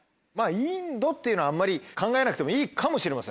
インドっていうのはあんまり考えなくてもいいかもしれません。